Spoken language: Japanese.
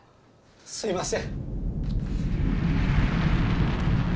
すいません。